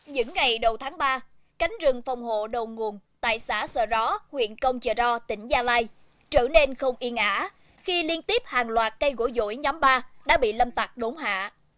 những ngày đầu tháng ba cánh rừng phòng hộ đầu nguồn tại xã sở ró huyện công chờ ro tỉnh gia lai trở nên không yên ả khi liên tiếp hàng loạt cây gỗ dỗi nhóm ba đã bị lâm tạc đốn hạ